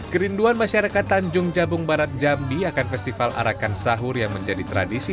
kerinduan masyarakat tanjung jabung barat jambi akan festival arakan sahur yang menjadi tradisi